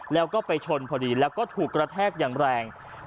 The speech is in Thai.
แล้วก็ไปชนพอดีแล้วก็ถูกกระแทกอย่างแรง